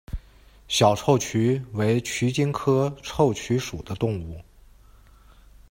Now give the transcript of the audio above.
小臭鼩为鼩鼱科臭鼩属的动物。